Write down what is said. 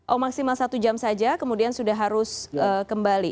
oh maksimal satu jam saja kemudian sudah harus kembali